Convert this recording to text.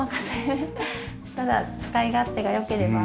ただ使い勝手が良ければ。